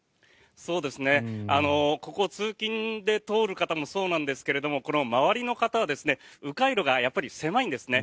ここを通勤で通る方もそうなんですけどこの周りの方は迂回路が狭いんですね。